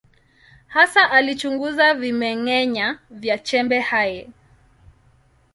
Hasa alichunguza vimeng’enya vya chembe hai.